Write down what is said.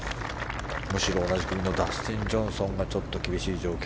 むしろ同じ組のダスティン・ジョンソンがちょっと厳しい状況。